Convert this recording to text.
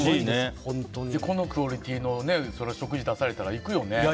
このクオリティーの食事出されたら行くよね。